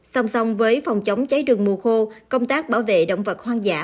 song song với phòng chống cháy rừng mùa khô công tác bảo vệ động vật hoang dã